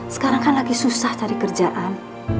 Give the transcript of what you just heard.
sekarang kan lagi susah cari kerjaan